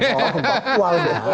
soal ke papua